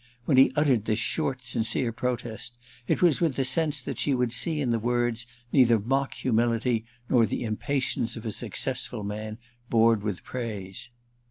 —when he uttered this short sincere protest it was with the sense that she would see in the words neither mock humility nor the impatience of a successful man bored with praise.